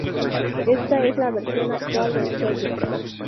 Esta es la versión actual del sello.